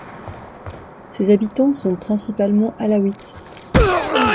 Ses habitants sont principalement Alaouites.